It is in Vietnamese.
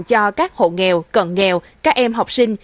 cho các hộ nghèo cận nghèo các em học sinh